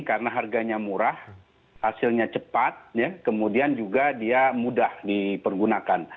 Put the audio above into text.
karena harganya murah hasilnya cepat kemudian juga dia mudah dipergunakan